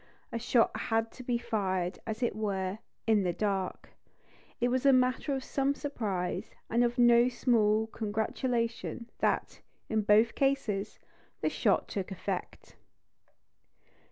A shot had to be fired, as it were, in the dark. It was a matter of some surprise, and of no small congratulation, that, in both cases, the shot took effect.